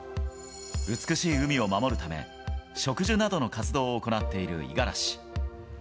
美しい海を守るため、植樹などの活動を行っている五十嵐。